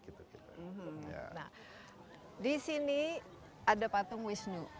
pembicara dua puluh lima nah di sini ada patung wisnu yang di situ